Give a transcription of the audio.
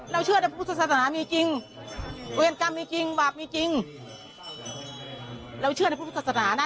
เราเชื่อในพุทธศาสนานะเราไม่ได้เชื่อคำสาบานนะ